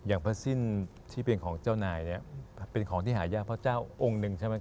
พระสิ้นที่เป็นของเจ้านายเนี่ยเป็นของที่หายากพระเจ้าองค์หนึ่งใช่ไหม